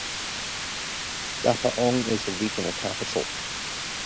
Dapaong is the regional capital.